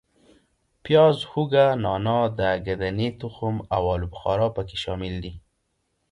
پیاز، هوګه، نانا، د ګدنې تخم او آلو بخارا په کې شامل دي.